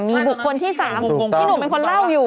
มีบุคคลที่๓พี่หนุ่มเป็นคนเล่าอยู่